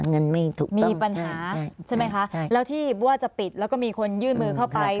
เงินไม่ถูกมีปัญหาใช่ไหมคะแล้วที่ว่าจะปิดแล้วก็มีคนยื่นมือเข้าไป